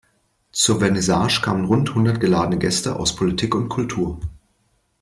Zur Vernissage kamen rund hundert geladene Gäste aus Politik und Kultur.